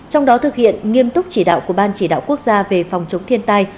trong đó thực hiện nghiêm túc chỉ đạo của ban chỉ đạo quốc gia về phòng chống thiên tai